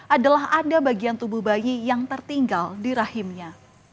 adalah ada bagian tubuh bayi yang tertinggal di rahimnya